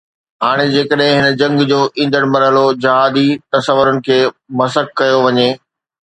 هاڻي جيڪڏهن هن جنگ جو ايندڙ مرحلو جهادي تصورن کي مسخ ڪيو وڃي